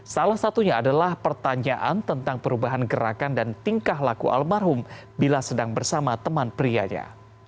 salah satunya adalah pertanyaan tentang perubahan gerakan dan tingkah laku almarhum bila sedang bersama teman prianya